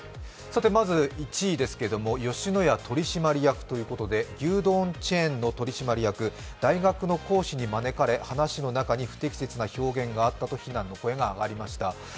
まず１位ですけど吉野家取締役ということで牛丼チェーンの取締役大学の講師に招かれ、話の中に不適切な表現があったと非難の声が上がりました。